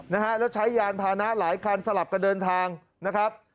นะฮะแล้วใช้ยานพานะหลายคันสลับกันเดินทางนะครับ